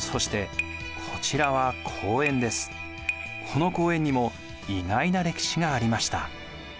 この公園にも意外な歴史がありました。